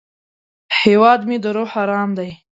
هیواد مې د روح ارام دی